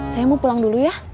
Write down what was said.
saya mau pulang dulu ya